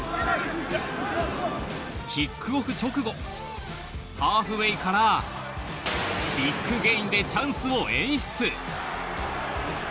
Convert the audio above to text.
キックオフ直後、ハーフウエーからビッグゲインでチャンスを演出。